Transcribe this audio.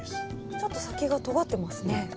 ちょっと先がとがってますね。